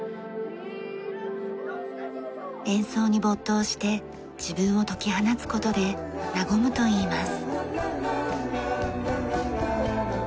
演奏に没頭して自分を解き放つ事で和むと言います。